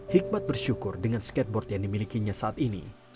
hikmat bersyukur dengan skateboard yang dimilikinya saat ini